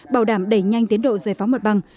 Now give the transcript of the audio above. bảo đảm đẩy nhanh tiến độ giải phóng mặt bằng